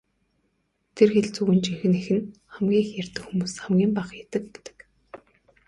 Тэр хэлц үгийн жинхэнэ эх нь "хамгийн их ярьдаг хүмүүс хамгийн бага хийдэг" гэдэг.